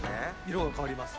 色が変わります